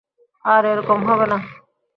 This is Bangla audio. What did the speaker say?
আর এরকম হবে না।